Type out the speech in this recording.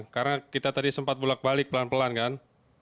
karena kita tadi sempat bulat balik pelan pelan kan